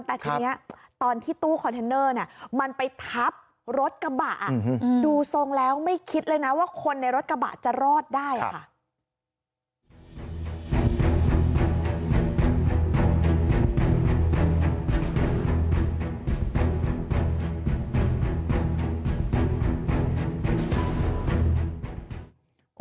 แต่ทีนี้ตอนที่ตู้คอนเทนเนอร์เนี่ยมันไปทับรถกระบะดูทรงแล้วไม่คิดเลยนะว่าคนในรถกระบะจะรอดได้ค่ะ